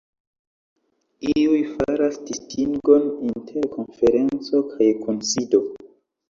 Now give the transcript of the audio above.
Iuj faras distingon inter konferenco kaj kunsido.